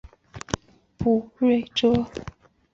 卜睿哲。